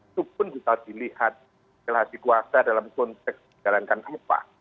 itu pun bisa dilihat relasi kuasa dalam konteks menjalankan apa